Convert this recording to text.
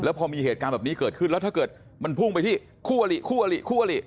พอมีเหตุการณ์แบบนี้เกิดขึ้นแล้วถ้าเกิดมันพุ่งไปที่คู่อลิคู่อลิคู่อลิ